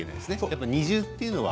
やっぱ二重っていうのは。